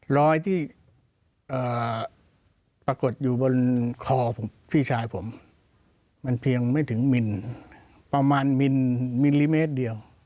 รอยที่ปรากฏอยู่บนคอพี่ชายผมมันเพียงไม่ถึงมินประมาณมิลลิเมตรเดียว